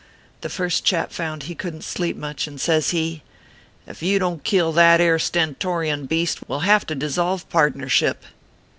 The first chap found he couldn t sleep much, and says he : "If you don t kill that ere stentorian beast we ll have to dissolve pardnership."